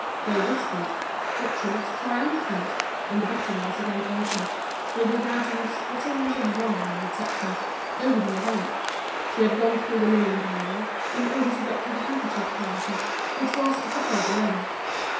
They whispered, thought she looked triumphant, and the betting was again altered; they began to risk bottles of wine, etc., over the event. She had gone through the linen gallery, in order to get to the handkerchief counter, which was at the further end.